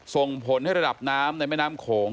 ส่งผลให้ระดับน้ำในแม่น้ำโขง